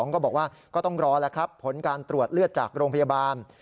ก็บอกว่าก็ต้องรอแล้วครับผลการตรวจเลือดจากโรงพยาบาล